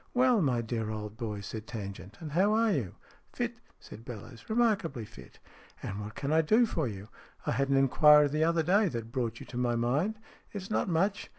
"Well, my dear old boy," said Tangent, "and how are you ?" 11 Fit," said Bellowes. " Remarkably fit." "And what can I do for you? I had an inquiry the other day that brought you to my mind. It's not much.